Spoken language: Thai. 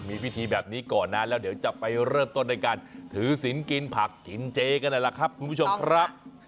มีพิธีแบบนี้ก่อนนะแล้วเดี๋ยวจะไปเริ่มต้นด้วยการถือศิลป์กินผักกินเจกันนั่นแหละครับคุณผู้ชมครับ